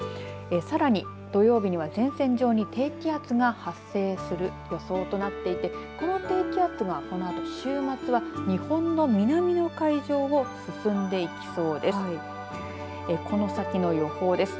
さらに、土曜日には前線上に低気圧が発生する予想となっていてこの低気圧が、このあと週末は日本の南の海上を進んでいきそうです。